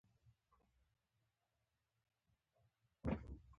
افغان د دوستي او ورورولۍ سمبول دی.